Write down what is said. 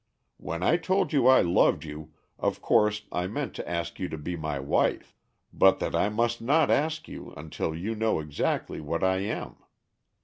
When I told you I loved you, of course I meant to ask you to be my wife, but that I must not ask you until you know exactly what I am.